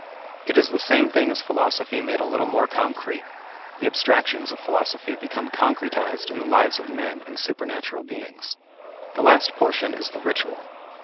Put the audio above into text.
It is the same thing as philosophy made a little more concrete, the abstractions of philosophy become concretized in the lives of men and supernatural beings. The last portion is the ritual.